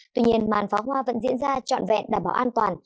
tuy nhiên màn pháo hoa vẫn diễn ra trọn vẹn đảm bảo an toàn